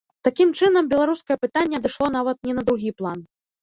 Такім чынам, беларускае пытанне адышло нават не на другі план.